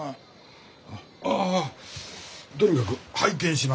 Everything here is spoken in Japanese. ああとにかく拝見しますね。